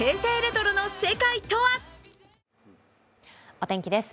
お天気です。